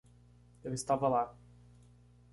Eu estava lá.